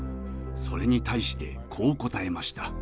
それに対してこう答えました。